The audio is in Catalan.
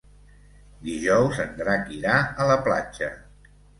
Dijous en Drac irà a la platja.